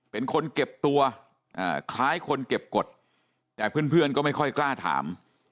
เป็นคนเก็บตัวคล้ายคนเก็บกฎแต่เพื่อนก็ไม่ค่อยกล้าถาม